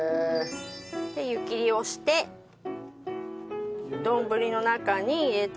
で湯切りをしてどんぶりの中に入れて。